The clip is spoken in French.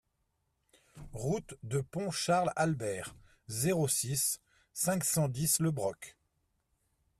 Route du Pont Charles Albert, zéro six, cinq cent dix Le Broc